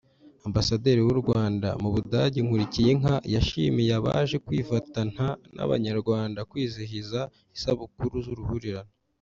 Ambasaderi w’ u Rwanda mu Budage Nkulikiyinka yashimiye abaje kwifatanta n’Abanyarwanda kwizihiza isabukuru z’uruhurirane